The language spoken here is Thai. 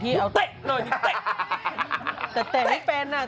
แต่เตะไม่เป็นอ่ะ